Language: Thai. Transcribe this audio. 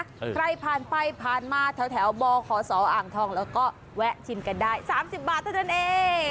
ใครผ่านไปผ่านมาแถวบขศอ่างทองแล้วก็แวะชิมกันได้๓๐บาทเท่านั้นเอง